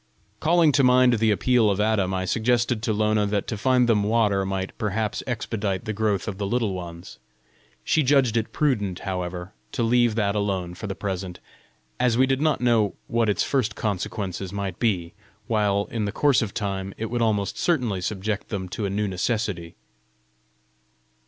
Calling to mind the appeal of Adam, I suggested to Lona that to find them water might perhaps expedite the growth of the Little Ones. She judged it prudent, however, to leave that alone for the present, as we did not know what its first consequences might be; while, in the course of time, it would almost certainly subject them to a new necessity.